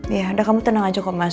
iya udah kamu tenang aja kok mas